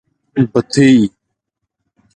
بتۍ.